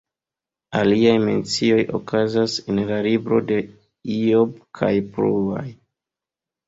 Aliaj mencioj okazas en la libro de Ijob kaj pluaj.